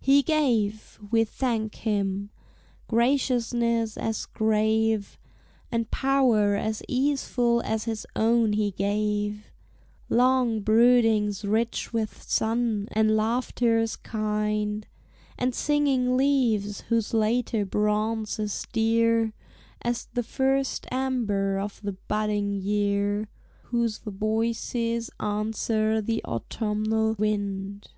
He gave; we thank him! Graciousness as grave, And power as easeful as his own he gave; Long broodings rich with sun, and laughters kind; And singing leaves, whose later bronze is dear As the first amber of the budding year, Whose voices answer the autumnnal wind.